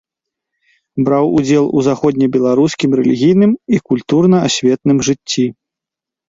Браў удзел у заходнебеларускім рэлігійным і культурна-асветным жыцці.